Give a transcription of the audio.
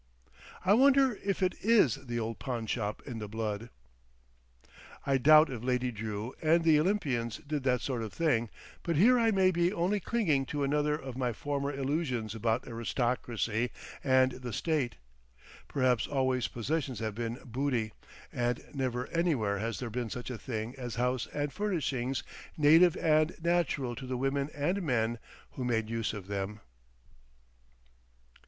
I wonder if it IS the old pawnshop in the blood. I doubt if Lady Drew and the Olympians did that sort of thing, but here I may be only clinging to another of my former illusions about aristocracy and the State. Perhaps always possessions have been Booty, and never anywhere has there been such a thing as house and furnishings native and natural to the women and men who made use of them....